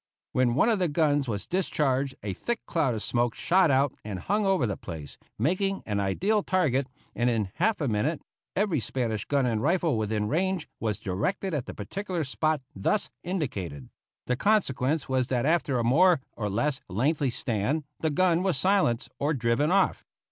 When one of the guns was discharged a thick cloud of smoke shot out and hung over the place, making an ideal target, and in a half minute every Spanish gun and rifle within range was directed at the particular spot thus indicated; the consequence was that after a more or less lengthy stand the gun was silenced or driven off.